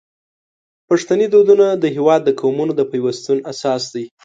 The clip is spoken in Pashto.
پښتني دودونه د هیواد د قومونو د پیوستون اساس دی.